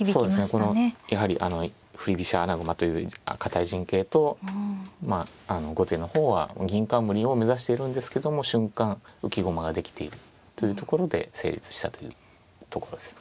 このやはり振り飛車穴熊という堅い陣形とまあ後手の方は銀冠を目指しているんですけども瞬間浮き駒ができているというところで成立したというところですかね。